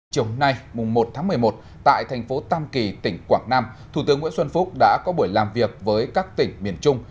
chiều nay một tháng một mươi một tại thành phố tam kỳ tỉnh quảng nam thủ tướng nguyễn xuân phúc đã có buổi làm việc với các tỉnh miền trung